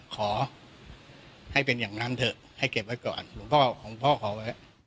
ขอให้เป็นอย่างนั้นเก็บไว้แล้ว